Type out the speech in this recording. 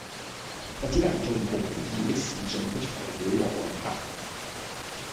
也只能做毫無意義的示衆的材料和看客，